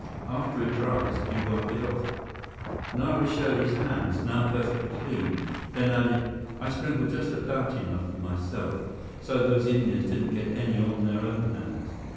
After it dries, you wipe it off." [Illustration: Canoes on the river] Nara showed his hands, now perfectly clean; then added, "I sprinkled just about enough for myself, so those Indians didn't get any on their own hands.